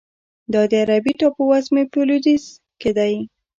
دا د عربي ټاپوزمې په لویدیځ کې دی.